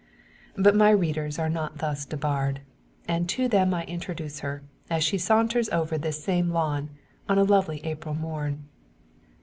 But my readers are not thus debarred; and to them I introduce her, as she saunters over this same lawn, on a lovely April morn.